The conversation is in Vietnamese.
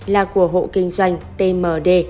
là của hộ kinh doanh tmd